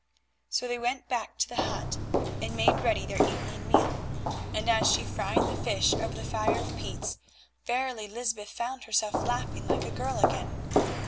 So they went back to the hut, and made ready their evening meal, and as she fried the fish over the fire of peats, verily Lysbeth found herself laughing like a girl again.